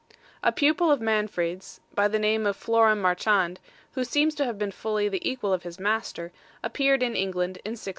A pupil of Manfrede's, by the name of Floram Marchand, who seems to have been fully the equal of his master, appeared in England in 1650.